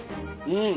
うん！